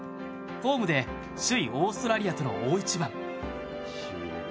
ホームで首位オーストラリアとの大一番。